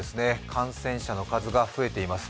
感染者の数が増えています。